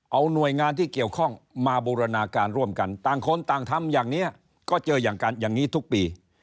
เอาหน่วยงานที่เกี่ยวข้องมาบูรณาการร่วมกันต่างคนต่างทำอย่างนี้ก็เจออย่างอย่างนี้ทุกปี